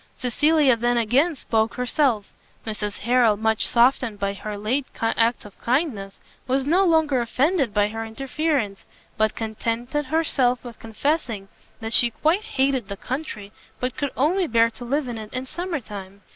Cecilia then again spoke herself. Mrs Harrel, much softened by her late acts of kindness, was no longer offended by her interference, but contented herself with confessing that she quite hated the country, and could only bear to live in it in summer time.